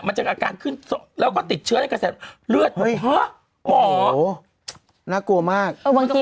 มันติดกินแค่ไปนิดเดียวนแบบนี้๑๒